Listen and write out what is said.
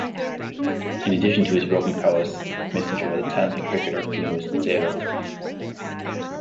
In addition to his rugby prowess, Messenger was a talented cricketer, canoeist and sailor.